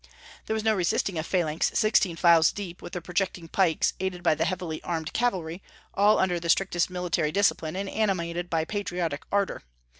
There was no resisting a phalanx sixteen files deep, with their projecting pikes, aided by the heavily armed cavalry, all under the strictest military discipline and animated by patriotic ardor.